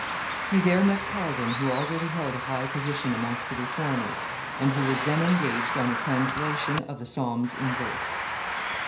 He there met Calvin, who already held a high position amongst the Reformers, and who was then engaged on a translation of the Psalms in verse.